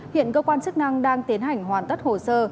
hiện cơ quan chức năng đang tiến hành hoàn tất hồ sơ